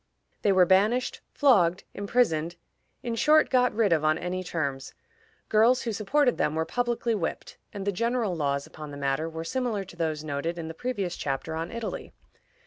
They were banished, flogged, imprisoned; in short, got rid of on any terms. Girls who supported them were publicly whipped, and the general laws upon the matter were similar to those noted in the previous chapter on Italy.